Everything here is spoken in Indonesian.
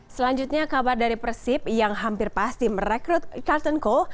selanjutnya kabar dari persib yang hampir pas tim rekrut carlton cole